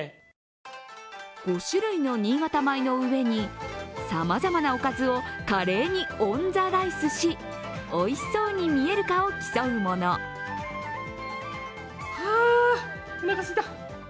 ５種類の新潟米の上にさまざまなおかずを華麗にオンザライスし、おいしそうに見えるかを競うもの。は、おなかすいた。